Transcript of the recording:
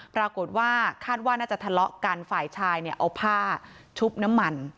ปรากฏว่าคาดว่าน่าจะทะเลาะกันฝ่ายชายเนี่ยเอาผ้าชุบน้ำมัน